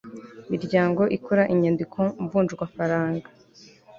miryango ikora inyandiko mvunjwafaranga